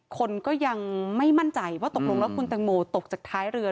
คนก็ยังไม่มั่นใจว่าตกลงแล้วคุณตังโมตกจากท้ายเรือ